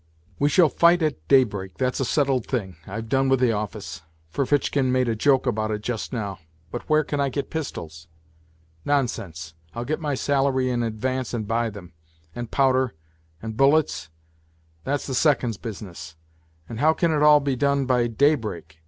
" We shall fight at daybreak, that's a settled thing. I've done with the office. Ferfitchkin made a joke about it just now. But where can I get pistols ? Nonsense ! I'll get my salary in ad vance and buy them. And powder, and bullets ? That's the second's business. And how can it all be done by daybreak?